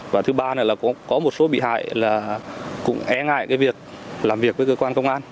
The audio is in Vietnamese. và thứ ba là cũng có một số bị hại là cũng e ngại cái việc làm việc với cơ quan công an